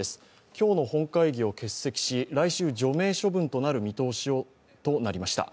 今日の本会議を欠席し、来週、除名処分となる見通しとなりました。